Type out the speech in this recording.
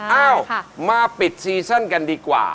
เอ้ามาปิดซีซั่นกันดีกว่า